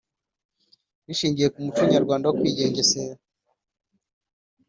rishingiye ku muco nyarwanda wo kwigengesera